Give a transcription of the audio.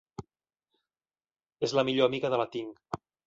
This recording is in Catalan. És la millor amiga de la Ting.